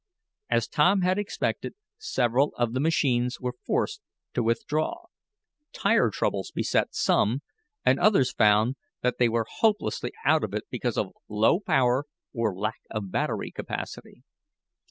As Tom had expected, several of the machines were forced to withdraw. Tire troubles beset some, and others found that they were hopelessly out of it because of low power, or lack of battery capacity.